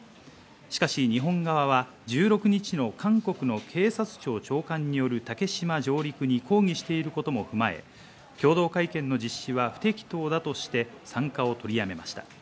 しかし日本側は１６日の韓国の警察庁長官による竹島上陸に抗議していることも踏まえ、共同会見の実施は不適当だとして参加を取りやめました。